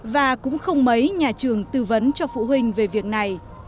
và cũng không mấy nhà trường tư vấn cho phụ huynh về việc này